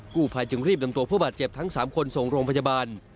ผู้ภายจึงรีบนำตัวผู้บาดเจ็บทั้ง๓คนส่งโรงพยาบาล